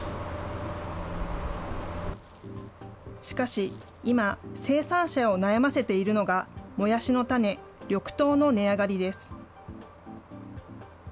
しかし、今、生産者を悩ませているのが、もやしの種、緑豆の値上がりです。